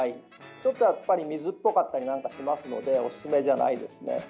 ちょっと水っぽかったりなんかしますのでおすすめじゃないですね。